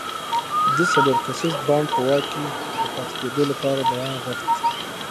د څلور کسیز بانډ په واک کې د پاتې کېدو لپاره دوام غوښت.